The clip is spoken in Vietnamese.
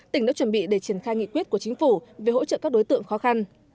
tỉnh đã chuẩn bị để triển khai nghị quyết của chính phủ về hỗ trợ các đối tượng khó khăn